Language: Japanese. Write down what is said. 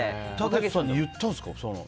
たけしさんに言ったんですか。